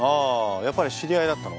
やっぱり知り合いだったの？